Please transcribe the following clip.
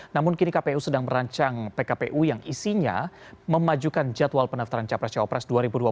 namun kini kpu sedang merancang pkpu yang isinya memajukan jadwal pendaftaran capres cawapres dua ribu dua puluh empat